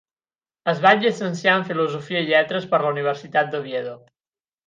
Es va llicenciar en Filosofia i Lletres per la Universitat d'Oviedo.